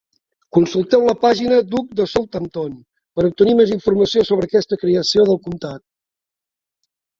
Consulteu la pàgina "Duc de Southampton" per obtenir més informació sobre aquesta creació del comtat.